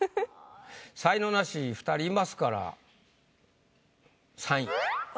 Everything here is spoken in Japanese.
才能ナシ２人いますから３位。